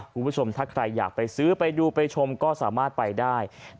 คุณผู้ชมถ้าใครอยากไปซื้อไปดูไปชมก็สามารถไปได้